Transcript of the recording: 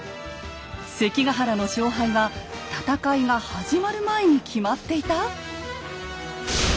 関ヶ原の勝敗は戦いが始まる前に決まっていた？